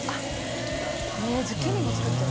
悗Аズッキーニも作ってる。